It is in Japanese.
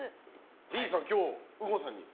ＬＥＥさん、今日、右近さんに。